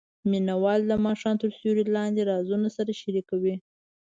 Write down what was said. مینه وال د ماښام تر سیوري لاندې رازونه سره شریکوي.